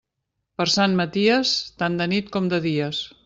Per Sant Maties, tant de nit com de dies.